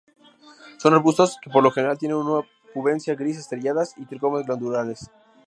Son arbustos que por lo general tienen una pubescencia gris estrelladas y tricomas glandulares.